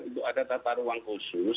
itu ada tata ruang khusus